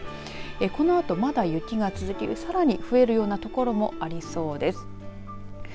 このあとまだ雪が続いてさらに増えるような所もありそうです。